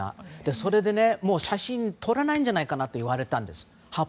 それでもう写真は撮れないんじゃないかと言われたんです。